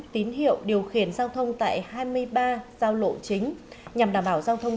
tín hiệu điều khiển giao thông tại hai mươi ba giao lộ chính nhằm đảm bảo giao thông